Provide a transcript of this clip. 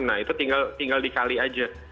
nah itu tinggal dikali aja